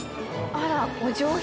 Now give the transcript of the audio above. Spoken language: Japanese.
あらお上品。